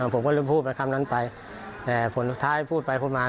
ผมก็เลยพูดไปคำนั้นไปแต่ผลสุดท้ายพูดไปพูดมา